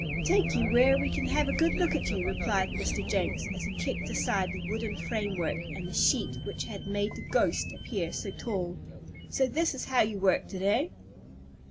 "Take you where we can have a good look at you," replied Mr. Jenks, as he kicked aside the wooden framework, and the sheet which had made the "ghost" appear so tall. "So this is how you worked it; eh?"